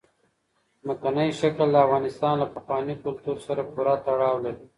ځمکنی شکل د افغانستان له پخواني کلتور سره پوره تړاو لري.